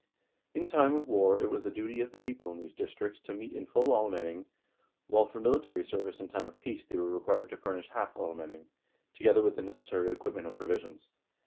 In time of war it was the duty of the people in these districts to meet in full almenning, while for military service in time of peace they were required to furnish half almenning, together with the necessary equipment and provisions.